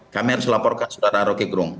kami harus laporkan saudara roky gerung